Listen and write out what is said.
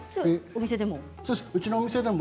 お店でも。